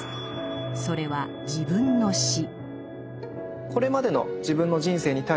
それは自分の「死」。